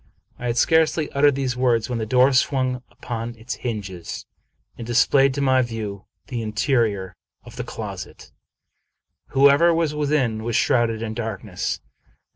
I had scarcely uttered these words, when the door swung upon its hinges and displayed to my view the interior of the closet. Whoever was within was shrouded in darkness.